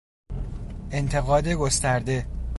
انتقاد گسترده